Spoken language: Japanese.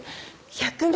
１００万！？